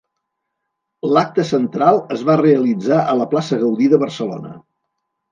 L'acte central es va realitzar a la plaça Gaudí de Barcelona.